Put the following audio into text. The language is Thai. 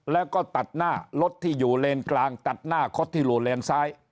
แล้วก็ตัดหน้ารถที่อยู่เลนกลางตัดหน้าคดทิโลเลนซ้าย